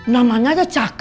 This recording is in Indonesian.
namanya aja cakep kelly